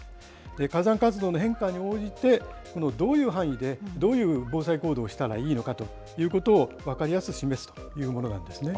火山活動の変化に応じて、どういう範囲でどういう防災行動をしたらいいのかということを、分かりやすく示すというものなんですね。